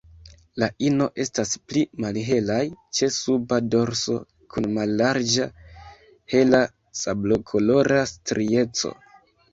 La ino estas pli malhelaj ĉe suba dorso kun mallarĝa hela sablokolora strieco.